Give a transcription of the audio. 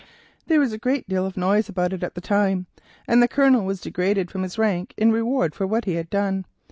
There was a great deal of noise about it at the time, and the Colonel was degraded from his rank in reward for what he had done.